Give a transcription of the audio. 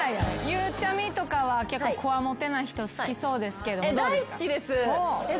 ゆうちゃみとかは結構コワモテな人好きそうですけど。